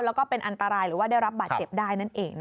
แล้วก็เป็นอันตรายหรือว่าได้รับบาดเจ็บได้นั่นเอง